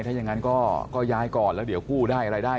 ถ้าอย่างนั้นก็ย้ายก่อนแล้วเดี๋ยวกู้ได้อะไรได้